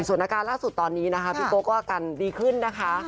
ส่วนอาการล่าสุดตอนนี้นะคะพี่โก้ก็อาการดีขึ้นนะคะ